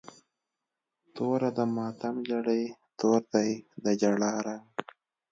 توره د ماتم جړۍ، تور دی د جړا رنګ